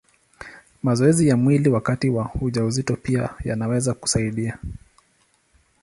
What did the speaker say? Mazoezi ya mwili wakati wa ujauzito pia yanaweza kusaidia.